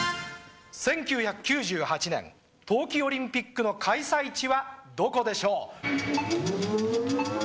１９９８年冬季オリンピックの開催地はどこでしょう？